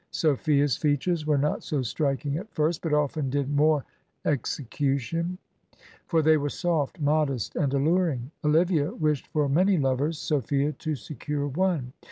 Sophia's features were not so striking at first, but often did more execu tion; for they were soft, modest and alluring. Olivia wished for many lovers ; Sophia to secure one.